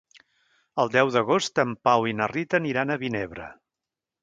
El deu d'agost en Pau i na Rita aniran a Vinebre.